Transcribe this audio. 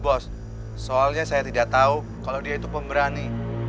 bos soalnya saya tidak tahu kalau dia itu pemberani